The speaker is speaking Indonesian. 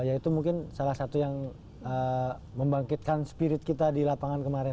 yaitu mungkin salah satu yang eee membangkitkan spirit kita di lapangan kemarin